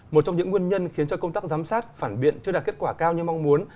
một trong những nguyên nhân khiến cho công tác giám sát phản biện chưa đạt kết quả cao như mong muốn